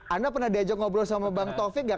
anda pernah diajak ngobrol sama bang taufik nggak